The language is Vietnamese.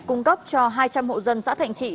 cung cấp cho hai trăm linh hộ dân xã thạnh trị